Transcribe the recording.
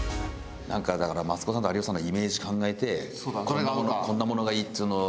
だからマツコさんと有吉さんのイメージ考えてこんなものがいいっつうのを。